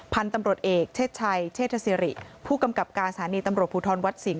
พันธุ์ตำรวจเอกเชศชัยเชษฐศิริผู้กำกับการสถานีตำรวจภูทรวัดสิงห